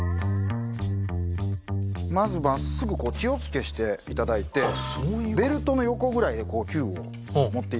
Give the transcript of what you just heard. まず真っすぐこう気をつけして頂いてベルトの横ぐらいでキューを持って頂きます。